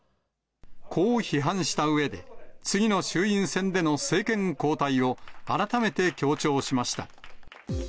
こう批判したうえで、次の衆院選での政権交代を改めて強調しました。